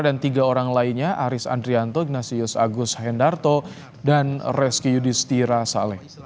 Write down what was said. dan tiga orang lainnya aris andrianto ignasius agus hendarto dan reski yudhistira saleh